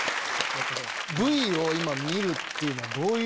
ＶＴＲを今見るっていうのはどういう。